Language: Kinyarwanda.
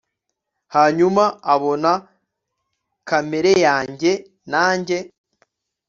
hanyuma abona kamera yanjye nanjye